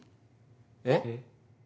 えっ？